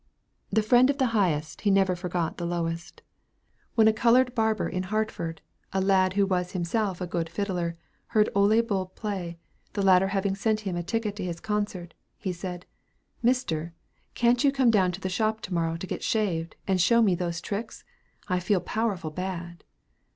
The friend of the highest, he never forgot the lowest. When a colored barber in Hartford, a lad who was himself a good fiddler, heard Ole Bull play, the latter having sent him a ticket to his concert, he said, "Mister, can't you come down to the shop to morrow to get shaved, and show me those tricks? I feel powerful bad."